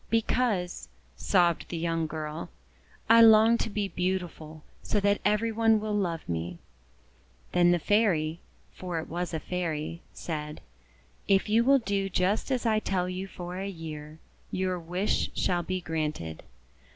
'1 "Because," sobbed the young girl, :<I long to be beautiful, so that every one will love me." Then the Fairy — for it was a Fairy — said :— "If you will do just as I tell you for a year, your wish shall be granted.